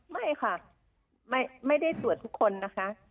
ไม่ค่ะไม่ได้ตรวจทุกคนนะคะ